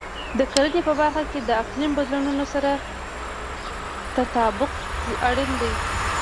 د کرنې په برخه کې د اقلیم بدلونونو سره تطابق اړین دی.